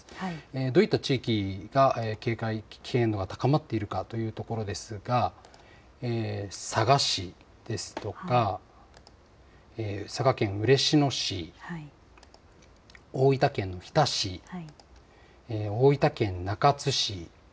どういった地域が警戒危険度が高まっているかというところですが佐賀市ですとか佐賀県嬉野市大分県の日田市大分県の中津市